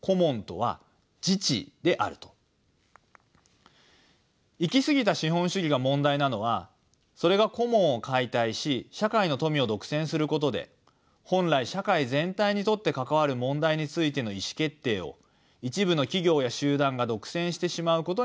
つまり行き過ぎた資本主義が問題なのはそれがコモンを解体し社会の富を独占することで本来社会全体にとって関わる問題についての意思決定を一部の企業や集団が独占してしまうことにあります。